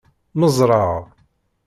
Mmeẓreɣ.